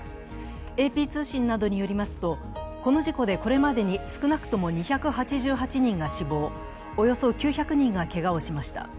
ＡＰ通信などによりますと、この事故でこれまでに少なくとも２８８人が死亡、およそ９００人がけがをしました。